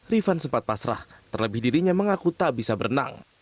rifan sempat pasrah terlebih dirinya mengaku tak bisa berenang